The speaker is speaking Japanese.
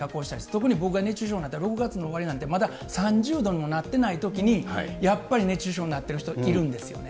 特に僕が熱中症になったのは６月の終わりなんてまだ３０度にもなってないときに、やっぱり、熱中症になってる人、いるんですよね。